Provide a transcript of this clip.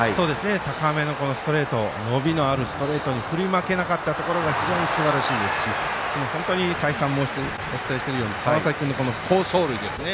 高めのストレート伸びのあるスタートに振り負けなかったことが非常にすばらしいですし再三お伝えしているように川崎君の好走塁ですね。